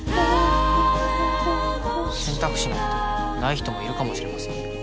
選択肢なんてない人もいるかもしれませんよ。